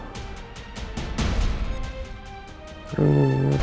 tidak ada apa apa